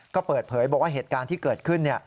ก็เปิดเผยบอกว่าเหตุการณ์ที่เกิดขึ้น